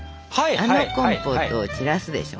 あのコンポートを散らすでしょ。